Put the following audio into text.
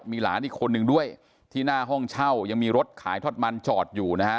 มีหลานอีกคนนึงด้วยที่หน้าห้องเช่ายังมีรถขายทอดมันจอดอยู่นะฮะ